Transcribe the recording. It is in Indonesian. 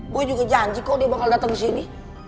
boy juga janji kok dia bakal datang disini